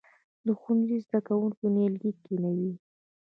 د ښوونځي زده کوونکي نیالګي کینوي؟